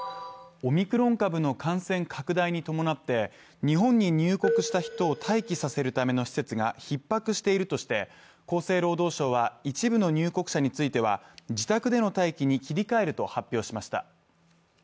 オミクロン株の感染拡大に伴って、日本に入国した人を待機させるための施設がひっ迫しているとして、厚生労働省は一部の入国者については、自宅での待機に切り替えると発表しました。